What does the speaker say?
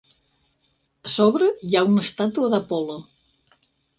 A sobre hi ha una estàtua d'Apol·lo.